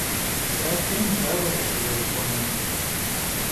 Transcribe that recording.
Têatrım dauere sızerık'uenur?